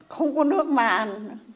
không có nước mà ăn